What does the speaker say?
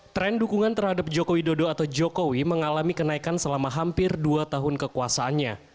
tren dukungan terhadap jokowi dodo atau jokowi mengalami kenaikan selama hampir dua tahun kekuasaannya